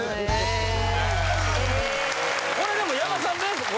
これでも矢田さんね